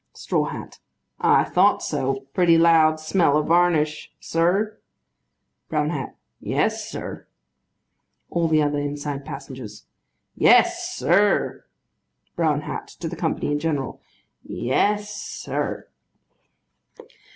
STRAW HAT. I thought so. Pretty loud smell of varnish, sir? BROWN HAT. Yes, sir. ALL THE OTHER INSIDE PASSENGERS. Yes, sir. BROWN HAT. (To the company in general.) Yes, sir.